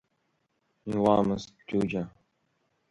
Иуамызт Џьуџьа.